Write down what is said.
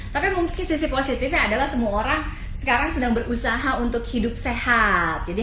tapi mungkin sisi positifnya adalah semua orang sekarang sedang berusaha untuk hidup sehat